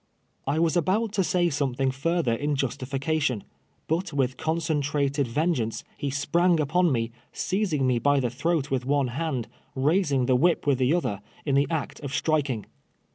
'' I was al)out to say something further in justification, but with concentrated ven geance, he sprang upon me, seizing me by the throat with one hand, raising the whip with the other, in the act of striking.